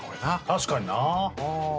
確かにな。